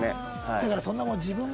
だからそんなもう「自分が！